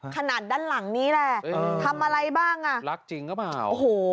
ขนาดด้านหลังนี้แหละทำอะไรบ้างอ่ะรักจริงหรือเปล่าโอ้โห